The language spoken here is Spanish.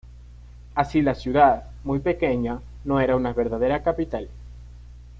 Así la ciudad, muy pequeña, no era una verdadera capital.